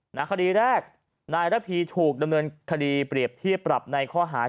คดีแรกนายระพีถูกดำเนินคดีเปรียบเทียบปรับในข้อหา